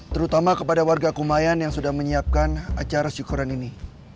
terutama kepada warga kumayan yang sudah menyiapkan acara syukuran ini